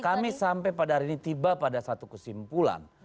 kami sampai pada hari ini tiba pada satu kesimpulan